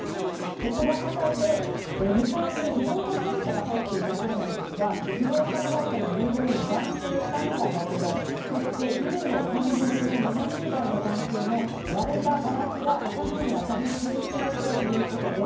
この火災で、２階に不動産会社が入っていたそうなんですが、不動産会社の従業員、男性２人がやけど、そしてビルの管理人の７０代の男性も、割れたガラスが頭に当たり軽傷ということです。